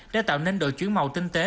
đã tạo nên độ chuyển màu tinh tế